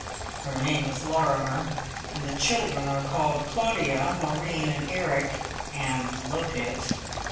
(Her name is Lorrimer, and the children are called Claudia, Moreen, and Eric, and look it.)